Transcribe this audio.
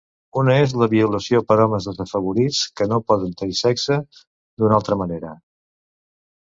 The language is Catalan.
Una és la violació per homes desafavorits que no poden tenir sexe d'una altra manera.